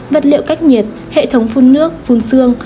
vật liệu cách nhiệt hệ thống phun nước phun xương